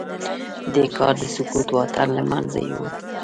دې کار د سکوت واټن له منځه يووړ.